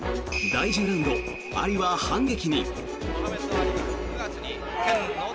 第１０ラウンド、アリは反撃に。